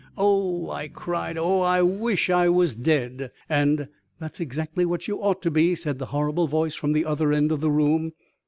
"Oh," I cried. "Oh, I wish I was dead!" And: "That's exactly what you ought to be!" said that horrible voice from the other end of the room.